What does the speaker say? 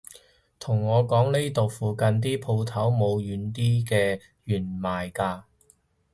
同我講呢度附近啲舖頭冇軟啲嘅弦賣㗎